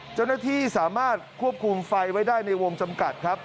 เจ้าหน้าที่สามารถควบคุมไฟไว้ได้ในวงจำกัดครับ